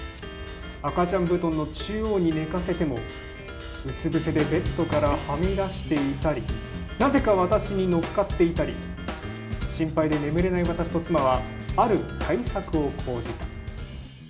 赤ちゃん布団の中央に寝かせてもうつぶせでベッドからはみ出していたりなぜか私にのっかっていたり、心配で眠れない私と妻は、ある対策を講じた。